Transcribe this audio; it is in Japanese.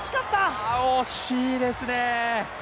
いや、惜しいですね。